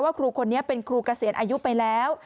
ครูคนนี้เป็นครูเกษียณอายุไปแล้ว